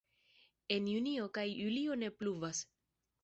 En junio kaj julio ne pluvas.